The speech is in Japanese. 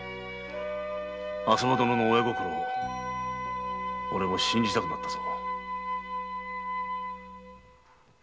浅葉殿の親心を俺も信じたくなったぞ。